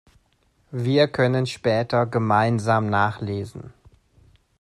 Wir können später gemeinsam nachlesen.